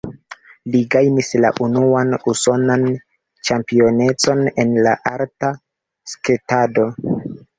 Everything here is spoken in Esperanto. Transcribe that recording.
Li gajnis la unuan usonan ĉampionecon en la arta sketado.